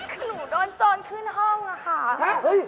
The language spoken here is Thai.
คือคือหนูโดนจ้นขึ้นห้องล่ะค่ะ